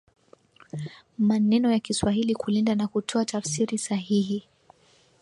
maneno ya Kiswahili Kulinda na kutoa tafsiri sahihi